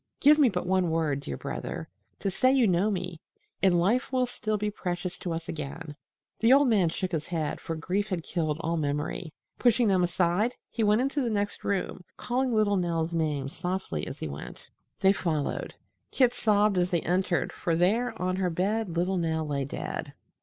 Give me but one word, dear brother, to say you know me, and life will still be precious to us again." The old man shook his head, for grief had killed all memory. Pushing them aside, he went into the next room, calling little Nell's name softly as he went. They followed. Kit sobbed as they entered, for there on her bed little Nell lay dead.